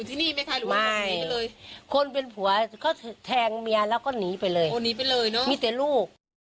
โอ้หนีไปเลยเนอะมีแต่ลูก